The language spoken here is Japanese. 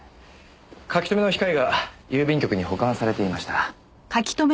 書留の控えが郵便局に保管されていました。